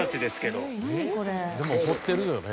でも彫ってるよね。